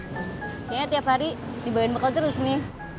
kayaknya tiap hari dibayar bakal terus nih